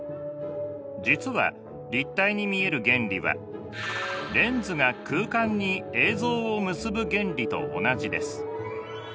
実は立体に見える原理はレンズが空間に映像を結ぶ原理と同じです。